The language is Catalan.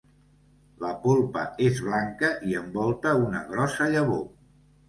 La polpa és blanca i envolta una grossa llavor.